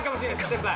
先輩